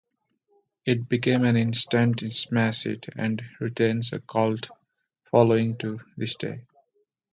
It became an instant smash hit and retains a cult following to this day.